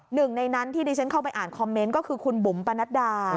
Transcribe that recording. หนึ่งในนั้นที่ดิฉันเข้าไปอ่านคอมเมนต์ก็คือคุณบุ๋มปนัดดา